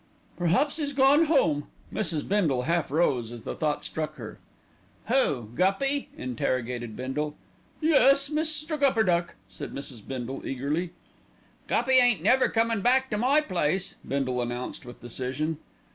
"Perhaps he's gone home!" Mrs. Bindle half rose as the thought struck her. "Who, Guppy?" interrogated Bindle. "Yes, Mr. Gupperduck," said Mrs. Bindle eagerly. "Guppy ain't never comin' back to my place," Bindle announced with decision.